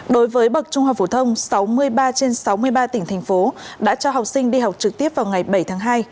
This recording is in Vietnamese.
đối với bậc trung học phổ thông sáu mươi ba trên sáu mươi ba tỉnh thành phố đã cho học sinh đi học trực tiếp vào ngày bảy tháng hai